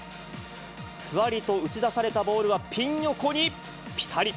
ふわりと打ち出されたボールはピン横にぴたり。